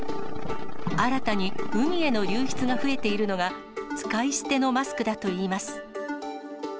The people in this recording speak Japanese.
新たに海への流出が増えているのが、使い捨てのマスクだといいます。